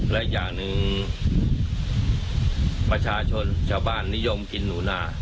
และอย่างหนึ่งประชาชนชาวบ้านนิยมกินหนูนา